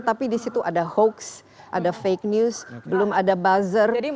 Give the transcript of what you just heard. tapi di situ ada hoax ada fake news belum ada buzzer